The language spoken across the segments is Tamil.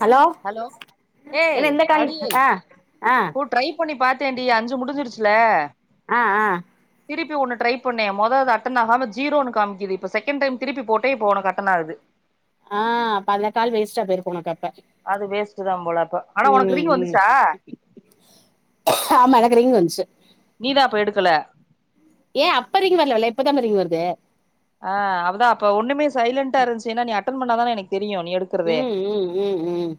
ஹலோ என்ன இந்த காய் அ கு ட்ரை பண்ணி பாத்தேன்டி அஞ்சு முடிஞ்சிருச்சுல ஆ ஆ திருப்பி ஒன்னு ட்ரை பண்ண மொத அது அட்டன் ஆகாம ஜீரோனு காமிக்குது இப்ப செகண்ட் டைம் திருப்பி போட்டே இப்போ உனக்கு அட்டன் ஆகுது ஆ அப்ப அந்த கால் வேஸ்ட்டா போயிருக் உனக் அப்ப அது வேஸ்ட்டு தா போல அப் ஆமா எனக்கு ரிங் வந்ச்சு நீதா அப்ப எடுக்கல ஏ அப்ப ரிங் வரல வ இல்ல இப்பதா ரிங் வருது ஆ அதா அப்ப ஒண்ணுமே சைலண்டா இருன்ச்சு ஏனா நீ அட்டன் பண்ணாதானே எனக் தெரியு நீ எடுக்கறதே ம் ம் ம் ம்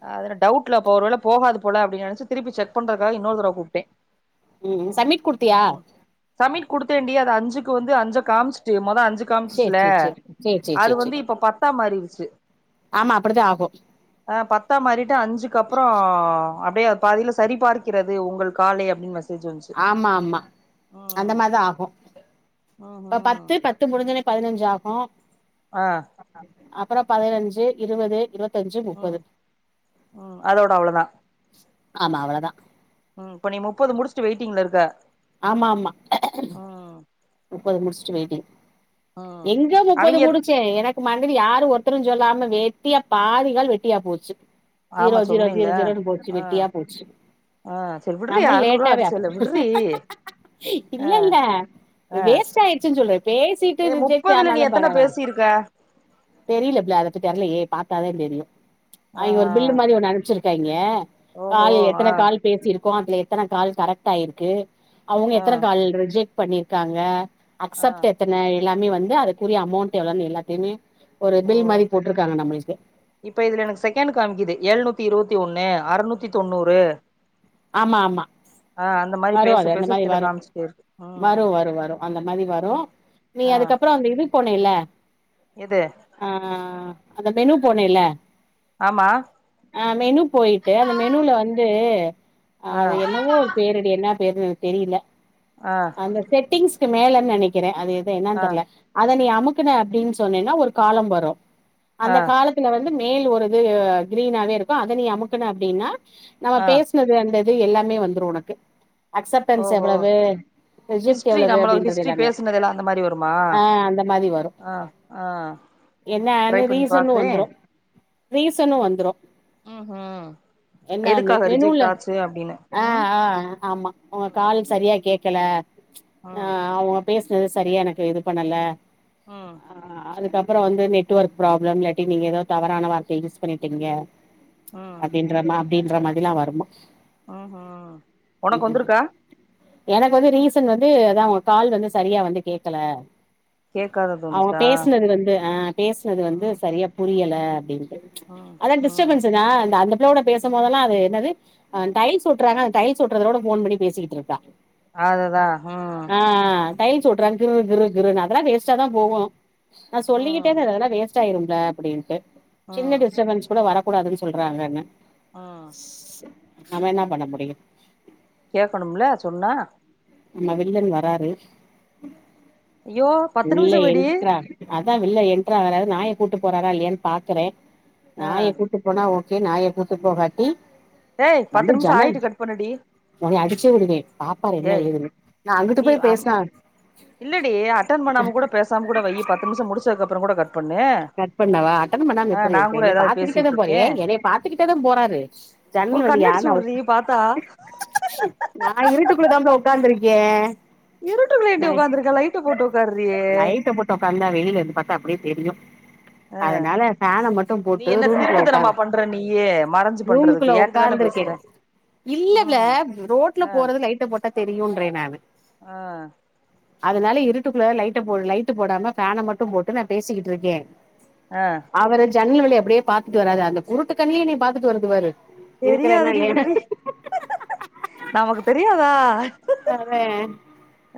டவுட்ல அப்ப ஒருவேள போகாது போல அப்படின் நெனச்சு திருப்பி செக் பண்றதுக்காக இன்னொரு தடவ கூப்டே ம் சமீட் குடுத்தியா சமீட் குடுத்தேண்டி அது அஞ்சுக்கு வந்து அஞ்ச காமிச்சிட்டு மொத அஞ்சு சேரி காம்ச்சுல சேரி சேரி சேரி சேரி அது சேரி வந்து சேரி இப்ப பத்தா மாறிருச்சு ஆமா அப்படித்தா ஆகு ஆ பத்தா மாரிட்டு அஞ்சுக்கப்றோ அப்டியே அது பாதில சரி பார்க்கிறது உங்க கால்லை அப்டின்னு மெசேஜ் வந்துச்சு ஆமா ஆமா அந்த ம் மாரிதா ஆகு ம் இப்ப ம் பத்து பத்து முடிஞ்சோனே பதினஞ்சாகு ஆ அப்புறோ பதினஞ்சு இருவது இருவத் தஞ்சு முப்பது ம் ம் அதோட ஆமா அவ்ளோதா உம் இப்ப நீ முப்பது முடிச்சுட்டு வெயிட்டிங்ல இருக்க ஆமா ஆமா ம் முப்பது முடிச்சுட்டு வெயிட்டிங் ம் எங்க முப்பது அவிங்க முடிச்சே எனக்கு இந்த மாதிரி யாரும் ஒருத்தரும் சொல்லாம வெட்டியா பாதி கால் வெட்டியா போச்சு ஆமா ஜிரோ ஜிரோ சொன்னேல்ல ஜிரோ ஜிரோன்னு போச்சு ஆ வெட்டியா போச்சு ஆ சரி விட்றி நம்ம அறுநூறு ரூபா லேட்டாவே அடிச்சல்ல விட்றி ஆ இல்ல இல்ல ஆ வேஸ்ட் ஆயிடுச்சுன்னு சொல்லு பேசிட்டு ஏ ரிஜெக்ட் முப்பதுல நீ ஆனாலும் எத்தன பரவால பேசிருக்க தெரியல பிள அதபத் தெரிலையே போய் பாத்தா தான் தெரியும் ஆ அவுங்க ஆ ஒரு பில்லு மாதிரி ஒண்ணு அனுப்ச்சிருக்காங்க ஓஹோ கால் ஆ எத்தன கால் பேசிருக்கோம் அதுல எத்தன கால் கரெக்ட்டா இருக்கு அவுங்க ஆ எத்தன கால் ரிஜெக்ட் பண்ணிருக்காங்க ஆ அக்சப்ட் எத்தன எல்லாமே வந்து அதுக்குரிய அமௌண்ட் எவ்ளோன்னு எல்லாத்தையுமே ஒரு ஓ பில் மாரி போட்ருக்காங்க நம்மளுக்கு இப்ப இதுல எனக்கு செகண்ட் காமிக்குது எழுநூத்தி இருவது த்தி ஒண்ணு அறுநூத்தி தொண்ணூறு ஆமா ஆமா ஆ அந்த மாரி பேச பரவாயில அந்த பேச மாரி கீழ வரும் காமிச்சுட்டே இருக்கு ம் வரும் வரும் வரும் அந்த மாரி வரும் ம் நீ ஆ அதுக்கப்புறோ அந்த இது போனேல்ல எது ஆஹ் ஆஹ் அந்த மெனு போனேல்ல ஆமா அஹ் மெனு போயிட்டு அந்த மெனுல வந்து ஆஹ் ஆ அது என்னவோ ஒரு பேருடி என்ன பேருனு எனக்கு தெரியல ஆ அந்த செட்டிங்ஸ் அதுக்கு மேலன்னு நெனைக்கிற அது இது என்னானு ஆ தெரில அத நீ அமுக்கன அப்படின் சொன்னன்னா ஒரு காலம் வரு ஆ அந்த காலத்துல வந்து மேல் ஒரு இது கிரீனாவே இருக்கும் அத நீ அமுக்குன அப்படின்னா நம்ம ஆ பேசினது அந்த இது எல்லாமே வந்துரும் உனக்கு அக்சப்டன்ஸ் ஓஹோ எவ்வளவு ரிஜக்ட் ஹிஸ்ட்ரி எவ்வளவு நம்மள அப்படின்றது ஹிஸ்ட்ரி எல்லாமே பேசுனதுல அந்த மாரி வருமா ஆஹ் அந்த மாதிரி வரும் ஆ ஆ ட்ரை என்னன்னு பண்ணி ரீசனும் பாக்குறே வந்துரும் ரீசனும் வந்துரும் ம்ஹும் என்னன்னு எதுக்காக மெனுல ரிஜெக்ட் ஆச்சு அப்டின்னு ம் ஆஹ் ஆஹ் ஆமா உங்க கால் சரியா கேக்கல ம் ஆஹ் அவுங்க பேசுனது சரியா எனக்கு இது பண்ணல உம் அப்புறம் வந்து நெட் ஒர்க் ப்ராப்ளம் இல்லாட்டி நீங்க ஏதோ தவறான வார்த்தைய யூஸ் பண்ணிடீங்க ம் அப்டின்ற மாதிரி அப்படின்ற மாதிரி எல்லாம் வருமா உஹம் உனக்கு வந்தருக்கா எனக்கு வந்து ரீசன் வந்து அதான் உங்க கால் வந்து சரியா வந்து கேக்கல கேக்காதது அவுங்க வந்துச்சா பேசினது வந்து அஹ் பேசினது வந்து ம் சரியா புரியல அப்படின்னு ம் அதான் ம் டிஸ்டபன்ஸ் தான் அந்த அந்த பிள்ளையோட பேசும் போதெல்லாம் அது என்னது அஹ் டைல்ஸ் ஒட்டுறாங்க அந்த டைல்ஸ் ஒட்டுறதோட ஃபோன் பண்ணி பேசிக்கிட்டு இருக்கா அதுதா உம் ஆ டைல்ஸ் ஒட்டுறாங்க கிரு கிரு கிருன்னு அதெல்லாம் வேஸ்ட்டா தான் போகும் நா சொல்லிக்கிட்டே ம் தா இருந்தே அதெல்லா வேஸ் ட்டாயிருப்ள அப்படின்ட்டு சின்ன ம் டிஸ்டர்பன்ஸ் கூட வரக்கூடாதுன்னு சொல்றாங்கன்ன ஆஹ் நம்ம என்ன பண்ண முடியும் கேக்கணும்ல சொன்னா ஆமா வில்லன் வராரு ஐயோ பத்து உள்ள நிமிஷோ வெடி என்ட்ரா ஆகு தான் வில்லன் என்ட்ராகுறாரு நாய கூட்டு போறாரா இல்லையான்னு பாக்குறேன் ஆ நாய கூட்டிட்டு போனா ஓகே நாய கூட்டு போகாட்டி ஏய் வந்து பத்து நிமிஷோ ஜன்னல் ஆயிட்டு கட் பண்ணுடி உன்னய அடிச்சே விடுவேன் பாப்பாறே என்ன ஏய் ஏதுன்னு நா அங்கிட்டு நீ போய் அம் பேசினன் இல்லடி அட்டன் பண்ணாம கூட பேசாம கூட வை பத்து நிமிஷம் முடிச்சது அப்புறம் கூட கட் பண்ணு கட் பண்ணவா அட்டன் பண்ணாம ஆ எப்ட்றீ நா இருக்க கூட என்ன ஏதாவது பாத்துக்கிட்டே தான் போற பேசிட்ருக்கே என்னைய பாத்துக்கிட்டே தான் போறாரு ஒரு ஜன்னல் கண்ணடிச்சுடுறீ பாத்தா நான் இருட்டுக்குள்ள தாம் பிள்ள உக்காந்து இருக்கேன் இருட்டுக்குள்ளேண்டி உக்காந்துருக்கே லைட்ட போட்டு உக்காருடி வெளியில இருந்து பாத்தா அப்டியே தெரியும் ஆ அதனால ஃபேனை மட்டும் நீ போட்டு என்ன ரூமுக்குள்ள திருட்டுத்தனமா உக்காரு பண்ற நீயி மறைஞ்சு பண்றதுக்கு ரூமுக்குள்ள ஏன்ட்ட உக்காந்த் தான பேசுற வந்திருக்கேன் இல்லப்பிள்ள ம் ரோட்ல ஆ போறது லைட்ட போட்டா தெரியும்ன்றேன் நானு ஆ அதனால இருட்டுக்குள்ள லைட்ட போ லைட்டு போடாம பேனை மட்டும் போட்டு நான் பேசிட்டு இருக்கே ஆ அவரு ஜன்னல் வழி அப்டியே பாத்துட்டு வராரு அந்த குருட்டு கண்லேயு என்ன பாத்துட்டு வருதுபாரு தெரியாதுடி விடுரி நமக்கு தெரியாதா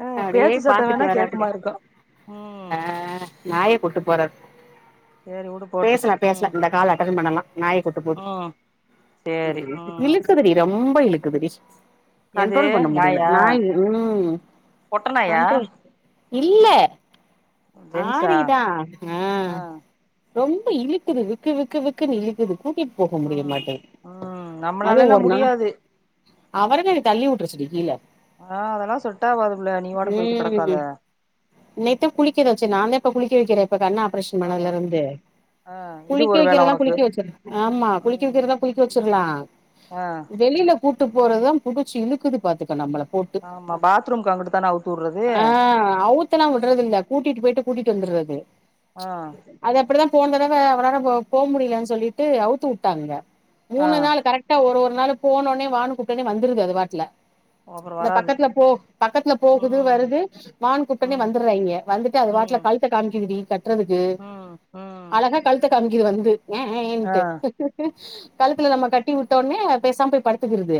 ஆ அப்டியே பேச்சு சத்தோ பாத்துட்டு வேணா வரே அப்டி கேக்குமா இருக்கு ம் அஹ் நாயேப் கூட்டு போறாரு சேரி வுடு போட்டு பேஷ்ல ம் பேஷ்ல இந்த காலு அட்டனு பண்ணலா நாய கூட்டு போது ம் சேரி ம் இழுக்குதுடி ரொம்ப இழுக்குதுடி எது கண்ட்ரோல் பண்ண முடியல நாயா நாய் உம் பொட்ட நாயா கண்ட்ரோல் இல்ல ஜென்ஸா ஆரிதா ஆஹ் ஆ ரொம்ப இழுக்குது விக்கு விக்கு விக்குன்னு இழுக்குது கூட்டிட்டு போக முடிய ம் மாட்டேங் ம் அது நம்மளாலல்லா ஒரு நாள் முடியாது அவர்கள் தள்ளி உட்ற சொல்லு கீழே ஆ அதெல்லா செட் ஆவாது புள்ள நீ பாட்டுக்கு போயிட்டு கெடக்காத உம் நேத்து புளிக்கறி வச்சே நான்தே இப்ப குளிக்க வைக்கிறேன் இப்ப கண் ஆப்ரேஷன் ஆ பண்ணதுல இருந்து ஆ இது குளிக்க ஒரு வேல வைக்கிறதுல்லா உனக்கு குளிக்க வச்சிரு ஆமா குளிக்க ம் வைக்கிறதுதா குளிக்க வச்சிரலா ஆ வெளில கூட்டு போறதான் புடிச்சு இழுக்குது பாத்துக்க நம்மள போட்டு ஆமா பாத்ரூம்க்கு அங்குட்டு தான அவுத்து வுட்றது அஹ் அவுத்தெல்லா உடுறது இல்ல கூட்டிட்டு போய்ட்டு கூட்டிட்டு வந்துறது பது ஆ அது அப்படித்தான் போன தடவை அவரால போவ முடியலன்னு சொல்லிட்டு அவுத்து விட்டாங்க ஆ மூணு நாள் கரெக்டா ஒரு ஒரு நாள் போனோனே வானு கூப்டோனே வந்துருது அது பாட்லா ஓவர் இந்த பக்கத்துல போ பக்கத்துல போகுது வருது வான் கூப்டோனே ம் வந்துடுறாங்க வந்துட்டு அது பாட்லா ம் கல்தட் காமிக்குதடி கட் றதுக்கு ம் ம் அழகா கழுத்த காம்பிக்கிது வந்து [unintelligible] ஆ ஏன்ட்டு கழுத்துல நம்ம கட்டி உட்டோனே பேசாம போய் படுத்துக்குறது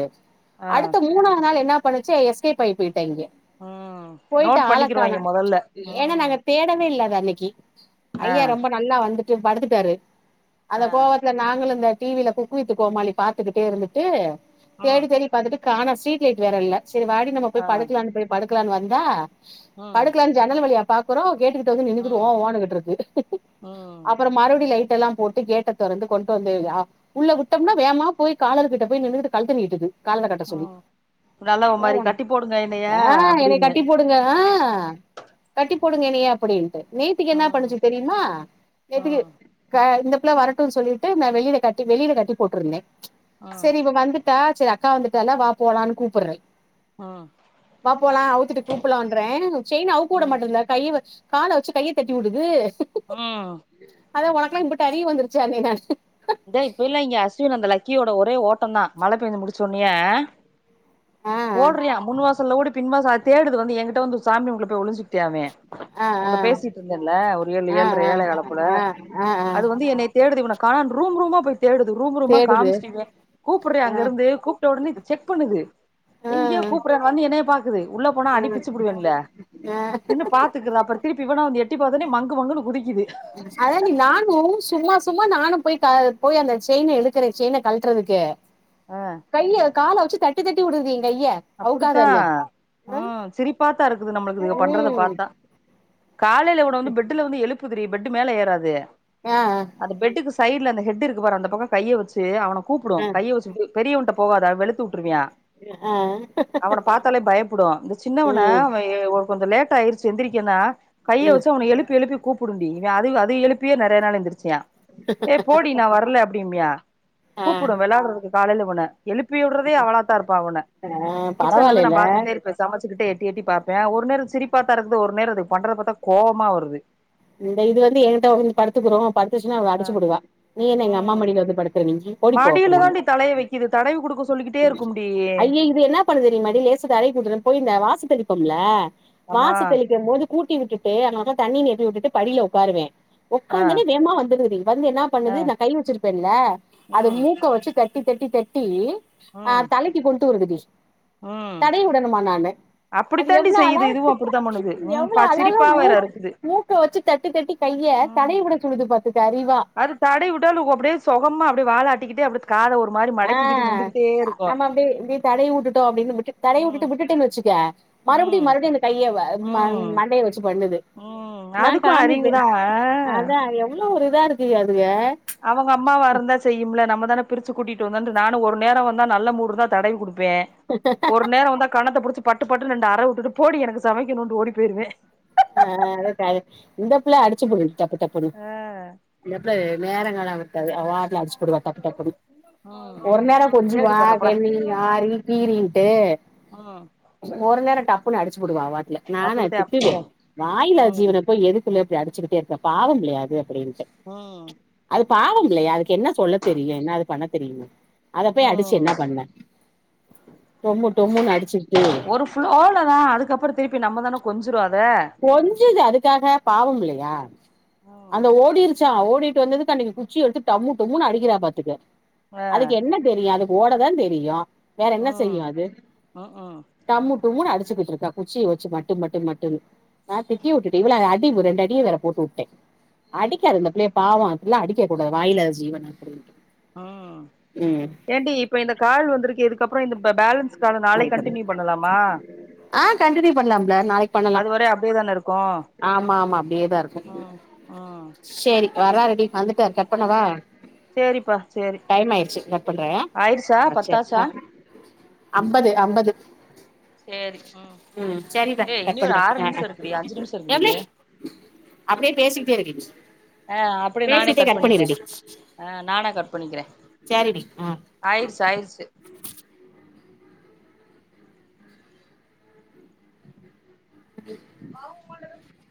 ஆ அடுத்த மூணா நாள் என்ன படிச்ச எஸ்கே பைபிட் தேங்கியூ ம் போயிட்டு நோட் ஆளக்கானோ பண்ணிக்கிருவாய்ங்க மொதல்ல ஏன்னா ம் நாங்க தேடவே இல்ல அத அன்னைக்கு ஆ ஐயா ரொம்ப நல்லா வந்துட்டு படுத்துட்டாரு அந்த ஆ கோவத்ல நாங்களு அத டிவியில குக்குவித்து கோமாளி பார்த்துகிட்டே இருந்துட்டு ம் தேடி தேடி பார்த்துட்டு கானோ ஸ்ட்ரீட் லைட் வேற இல்ல சரி வாடி நம்ம ஆ போய் படுக்கலான் போய் படுக்கலான் வந்தா ம் படுக்கலான் ஜன்னல் வழியா பாக்குறோ கேட்டு கிட் ட வந்து நின்னுட்டு ஓ ம் ஓன்கிட்ருக்கு ம் அப்புற மறுபடியு லைட்டலா போட்டு கேட்டத் தொறந்து கொண்டு வந்தயா உள்ள விட்டோம்ன வோகமா போய் காலர் கிட்ட போய் நின்னுட்டு கழுத்த நீட்டுது கால்லே கட்ட சொல்லி ம் நல்லா ஒரு மாரி அஹ்ன் கட்டி போடுங்க என்னைய என்னை அப்டின்னு கட்டி போடுங்க அஹ்ன் அஹ்ன் கட்டி போடுங்க என்னைய அப்படின்ட்டு நேத்தேக்கு என்ன ப் ம் பண்ணிச்சு தெரியுமா நேத்தேக்கு ம் இந்த பிள்ளை வரட்டுன்னு சொல்லிட்டு நான் வெளியவே கட்டி வெளிய்ல கட்டி போட்ருந்தேன் ம் சரி இவ வந்துட் டா சரி அக்கா வந்துட்டால வா போலான்னு கூப்டுறே ம் வா போலாம் அவுத்துட்டு கூப்லாண்றேன் செயின் அவுக்க விட ம் மாட்டேங்குது கைய கால வச்சு கையை தட்டி உடுது ம் அதான் உறக்லைட் போட்டு அறிவு வந்துருச்சு அது நீதான் இந்த இப்பைலாம் இங்க அஸ்வின் அந்த லக்கியோட ஒரே ஓட்டோ தான் மழை பெய்ஞ்சு முடிச்சோனையே ஆ ஓடுறியா முன் வாசல்ல ஓடி பின்வாசல் தேடுது வந்து எங்கிட்ட வந்து சாமி ரூம்ல போய் ஒழிஞ்கிட்டியாமே ஆ உன்ட ஆ பேசிட்டு இருந்தேன்ல ஒரு ஏழு ஆ ஏழுறை ஆ ஏழைகால் போல ஆ ஆ ஆ அது வந்து என்னை தேடுது இவன க ரூம் ரூமா போ தேடுது ரூம் ரூமா தேடுது காமிச்சிடுவே கூப்பிடுற ஆ அங்க இருந்து கூப்பிட்ட உடனே செக் பண்ணுது ஆ ஆ இங்யே கூப்பற மாரி என்னயே பாக் குது உள்ள போனா அடி பிச்சு பிடுவன்ள ஆ நின்னு பாத்துக்குது அப்புற திருப்பி இவனா வந்து எட் எட்டி பாத்தோனே மங்கு மங்குனு குதிக் அதான்டி நானு சும்மா சும்மா நானு போய் போய் அந்த செய்னா இழுக்கிற செய்ன கழுட்டுறதுக்கு ஆ கையில் கால வச்சு தட் தட்டி தட்டி விடுதே அப்படித்தா ம் சிரிப்பாதா இருக்குது நம்மளுக்கு இதுக பண்றத ம் பாத்தா காலயில கூட வந்து பெட்டுல வந்து எழுப்புதுடி பெட்டு மேல ஏறாது ஆ அந்த பெட்டுக்கு சைட்ல அந்த ஹெட் இருக்கு அந்த பக்க கைய வச்சு அவன கூப்பிடு கைய வச்சு பெரியவன்ட போகாது வெளு அ அவன பாத்தாலே பயப்படு இந்த சின்னவனை ம் அவ கொஞ்ச லேட் ஆயிடுச்சு எந்திரிக்கனா கைய ம் வச்சு அவன எழுப்பி எழுப்பி கூப்புடுடி அது அது எழுப்பியே நெறய நாள் எந்துருச் சியா ஏ போடி நா வரல அப்படி இம்யா ஆ கூப்புடு விழாடுறதுக்கு காலயில இவன எழுப்பி விட்றதே அவளாத்தா இருப்ப அவன ஆ கிச்சன்ல இருந்து நா பரவாயில்லைல பாத்துக்கிட்டே இருப்பே சமைச்சுட்டே எட்டி எட்டி பாப்ப ஒரு நேரம் சிரிப்பா தா இரு வந்து ஒரு நேர அது பண்றது பாத்தா கோவமா வருது இந்த இது வந்து ஏன்ட வந் படுத்துகுடு படுத்துருச்சுன்னா அவ ஆ அடிச்சு போடுவா நீ என்ன எங்க அம்மா ம் மடில வந்து படுக்கற நீங்கி ஓடிப்போ மடியில அப்படின்னு தாண்டி தலைய வைக்குது தடவி குடுக்க சொல்லிக்கிட்டே இருக்கும்டி ஐயே இது என்னா பண்ணுது தெரியுமாடி லேச தரை கூட்றபோய் இருந்த வாச தேலி ப்போம்ல ஆமா வாச தெளிக்கும் போது கூட்டி விட்டுட்டு அந்த பக்கம் தண்ணி நிறுத்தி விட்டுட்டு படியில உக்காருவே ஆ உக்காந்தனே வேகமா வந்துருது வந்து என்ன ஆ பண்ணுது நா கை வச்சிருப்பேன்ல்ல அது ம் மூக்க வச்சு த தட்டி தட்டி தட்டி ஆ ம் தலைக்கு கொண்டு வருதுடி ம் தடைவி விடணுமா நா அது அப்படித்தாண்டி எவ்ளோ அழ செய்யுது இதுவு அப்படித்தா பண்ணுது ம் எவ்ளோ பா அழகா சிரிப்பா வேற மூக் இருக்குது மூக் க வச்சு தட்டி தட்டி கைய ம் தடவி வுட சொல்லுது பாத்துக்க அறி அது தடவி வுட்டா அப்டியே சொகமா அப்டியே வாழாட்டிக்கிட்டே அப்டி அ நம்ம அப்டியே இப்டி தடவி வுட்டுட்டோ அப்டி விட்டு தட ம் விட்டுட்டு விட்டுட்டோன்னு வச்சுக்க மறுபடியு ம் மறுபடியு அந்த கைய மண் ம் மண்டைய வச்சு பண்ணுது ம் நான் அதுக்கு காமிப்பே அறிவுதா ஆ அதா எவ்ளோ ஒரு இதா இருக்குக அதுக அவங்க அம்மாவா இருந்தா செய்யும்ல நம்ம தானே பிரிச்சு கூட்டிட்டு வந்தட்டு நானு ஒரு நேரொ வந்தா நல்ல மூடு இருந்தா தடவி குடுப்பே ஒரு நேரொ வந்த கண்ணத்த புடிச்சி பட்டு பட்டு ரெண்டு அர வுட்டுட்டு போடி எனக்கு சமைக்குணுட்டு ஓடி போய்ருவே அ அதா கரெக்ட் இந்த பிள்ள அடிச்சு புடு டப்பு டப்புனு ஆ இந்த புல்ல நேரங்காலோ வட்டது வாட்ல அடிச்சு புடுவா டக்கு டக்குனு ம் ஒரு நேரொ தேடி கொஞ்ஜூவா பார்றா போடா கண்மிணி ரி கீறி டு ம் ஒரு நேரொ டப்புன்னு அடிச்சி புடுவா அவாட்டுல நா அப்டித்தே திட்டுவே அப்டித்தே வாயிலா ம் ஜீவன போய் எதுக்குள்ள இப்டி அடிச்சுக்கிட்டே இருக்க பாவம்ல்லையாது அப்டின் ம் பாவம்மில்லையா அதுக்கு என்ன சொல்ல தெரியு என்ன அது பண்ண தெரியுமா அத போய் அடிச்சு ம் என்ன பண்ண டொம்மு டொம்முன்னு அடிச்சுக்கிட்டு ஒரு ஃப்ளோ ல தா அதுக்கப்ரோ திருப்பி நம்ம தானே கொஞ்ரோ அத கொஞ்சுது அதுக்காக பாவமில்லியா ம் அந்த ஓடி ருச்சா ஓடிட்டு வந்ததுக்கு அன்னைக்கு குச்சி எடுத்து டம்மு டும்ன்னு அடிக்றா பாத்துக்க ஆ அதுக்கு என்ன தெரியு அது ஓட தா தெரியு வேற என்ன செய்யு ம் அது ம்ஹூம் டம்மு டும்முனு அடு ச்சுகிட்டு இருக்கா குச்சிய வச்சு மட்டு மட்டு மட்டுனு நா திட்டி வுட்டுடே இவ்ளோ அடி ரெண்டு அடிய வேற போட்டுவுட்ட அடிக்காத இந்த புள்ளய பாவோ அப்டில்லா அடிக்க கூடாது வாயிலாத ஜீவன் அப்டின் அ ஏன்டி இப்ப இந்த கால் வந்திருக்கே இதுக்கப்றோ இந்த பேலன்ஸ் கால் நாளைக்கு கண்ட்டின்யூ பண்ணலாமா அ கண்டின்யூ பண்லாம் புள்ள நாளைக்கு பண்ணலா அது வரை அப்டியே தான இருக்கு ஆமா ஆமா அப்டியேதா இருக்கு ம் ம் சேரி வர்ராருடி வந்துட்டாரு கட்பன்னவா சேரிப்பா சேரி டைம் ஆய்டுச்சு கட் பண்றா ஆயிடுச்சா அ சேரி பத்தாச்சா அம்பது அம்பது சேரி ம் சரிடா ஏ கட் இனி ஒரு பண்றே ஆறு ஆ ஆ நிமிஷோ இருக்குடி அஞ்சு நிமிஷோ இருக்குடி ஏ அப்டியே பேசிகிட்டே இருடி அ அப்டியே நானே பேசிட்டே கட் பண்ணிக்ற பண்ணிருடி அ நானா கட் பண்ணிக்ற சரிடி ஆ ஆய்ருச்சு ஆய்ருச்சு [unintelligible]